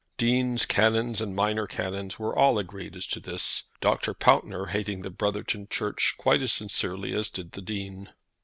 Deans, canons, and minor canons were all agreed as to this, Dr. Pountner hating the "Brotherton Church" quite as sincerely as did the Dean.